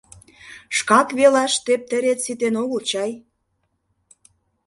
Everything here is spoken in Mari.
Шкак велаш тептерет ситен огыл чай?